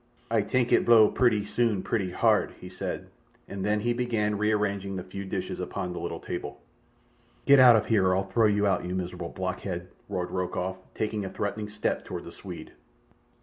"Ay tank it blow purty soon purty hard," he said, and then he began rearranging the few dishes upon the little table. "Get out of here, or I'll throw you out, you miserable blockhead!" roared Rokoff, taking a threatening step toward the Swede.